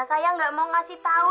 saya nggak mau ngasih tahu